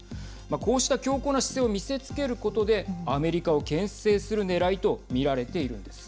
こうした強硬な姿勢を見せつけることでアメリカをけん制するねらいと見られているんです。